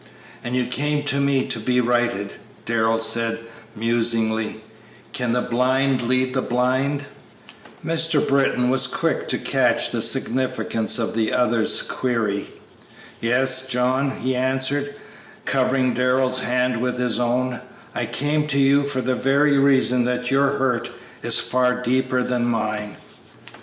"And you came to me to be righted," Darrell said, musingly; "'Can the blind lead the blind?'" Mr. Britton was quick to catch the significance of he other's query. "Yes, John," he answered, covering Darrell's hand with his own; "I came to you for the very reason that your hurt is far deeper than mine."